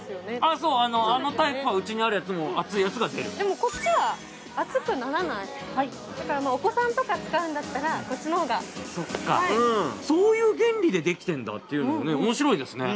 そうあのタイプはうちにあるやつも熱いやつが出るでもこっちは熱くならないそれからお子さんとか使うんだったらこっちの方がそっかそういう原理でできてんだっていうのをね面白いですね